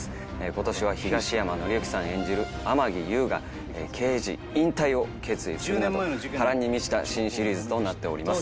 今年は東山紀之さん演じる天樹悠が刑事引退を決意するなど波乱に満ちた新シリーズとなっております。